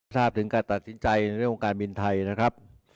ทราบถึงการตัดสินใจในเรื่องของการบินไทยนะครับ